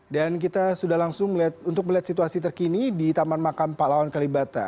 dan kita sudah langsung untuk melihat situasi terkini di taman makam palawan kalibata